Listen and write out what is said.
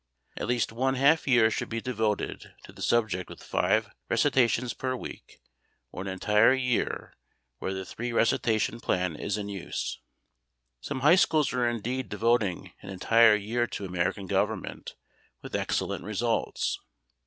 At least one half year should be devoted to the subject with five recitations per week or an entire year where the three recitation plan is in use. Some high schools are indeed devoting an entire year to American Government with excellent results.